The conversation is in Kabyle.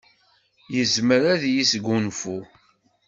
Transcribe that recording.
Yezmer ad yesgunfu.